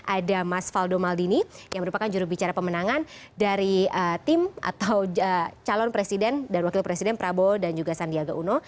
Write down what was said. ada mas faldo maldini yang merupakan jurubicara pemenangan dari tim atau calon presiden dan wakil presiden prabowo dan juga sandiaga uno